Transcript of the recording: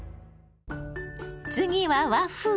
次は和風。